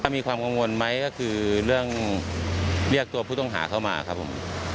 มีความกังวลไหมก็คือเรื่องเรียกตัวผู้ต้องหาเข้ามาครับผม